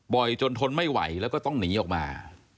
จนทนไม่ไหวแล้วก็ต้องหนีออกมา